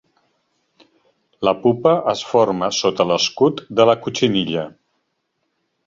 La pupa es forma sota l'escut de la cotxinilla.